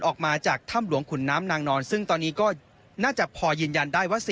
ออกมาจากถ้ำหลวงขุนน้ำนางนอนซึ่งตอนนี้ก็น่าจะพอยืนยันได้ว่า